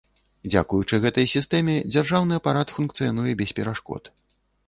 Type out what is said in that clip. Дзякуючы гэтай сістэме дзяржаўны апарат функцыянуе без перашкод.